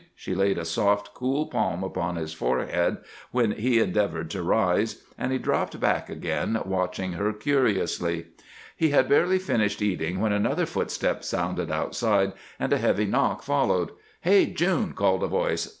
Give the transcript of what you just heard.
She laid a soft, cool palm upon his forehead when he endeavored to rise, and he dropped back again, watching her curiously. He had barely finished eating when another footstep sounded outside and a heavy knock followed. "Hey, June!" called a voice.